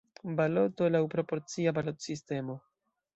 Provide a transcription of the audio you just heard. Baloto laŭ proporcia balotsistemo.